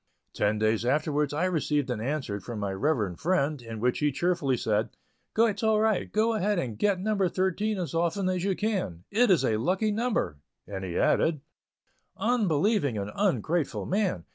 Ten days afterwards I received an answer from my reverend friend, in which he cheerfully said: "It's all right; go ahead and get 'number thirteen' as often as you can. It is a lucky number," and he added: "Unbelieving and ungrateful man!